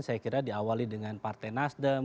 saya kira diawali dengan partai nasdem